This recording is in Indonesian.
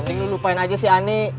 mending lu lupain aja sih ani